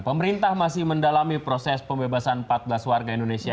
pemerintah masih mendalami proses pembebasan empat belas warga indonesia